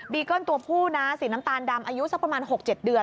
เกิ้ลตัวผู้นะสีน้ำตาลดำอายุสักประมาณ๖๗เดือน